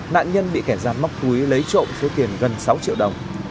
nạn nhân bị kẻ gian móc túi lấy trộm số tiền gần sáu triệu đồng